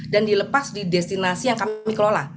dan dilepas di destinasi yang kami kelola